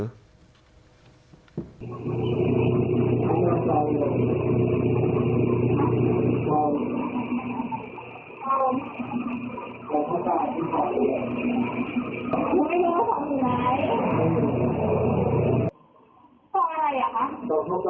ต่ออะไรอ่ะคะต่อเข้าไปใครเห็นได้เลยบอกไหมค่ะ